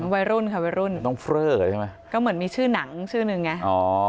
วัยรุ่นค่ะวัยรุ่นน้องเฟรอใช่ไหมก็เหมือนมีชื่อหนังชื่อหนึ่งไงอ๋อ